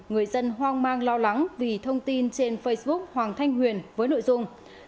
người dân hoang mang lo lắng vì thông tin trên facebook hoàng thanh huyền với nội dung